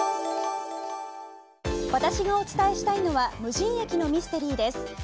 私がお伝えしたいのは無人駅のミステリーです。